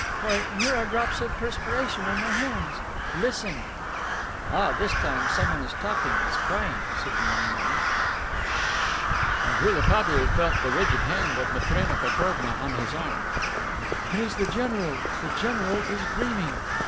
Why, here are drops of perspiration on my hands! Listen!" "Ah, this time someone is talking is crying," said the young man. "Sh h h!" And Rouletabille felt the rigid hand of Matrena Petrovna on his arm. "It is the general. The general is dreaming!"